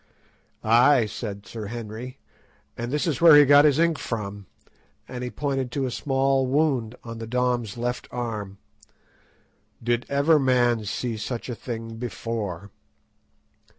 "Ay," said Sir Henry, "and this is where he got his ink from," and he pointed to a small wound on the Dom's left arm. "Did ever man see such a thing before?"